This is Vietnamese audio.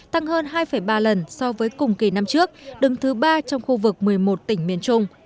tăng hơn hai ba lần so với cùng kỳ năm trước đứng thứ ba trong khu vực một mươi một tỉnh miền trung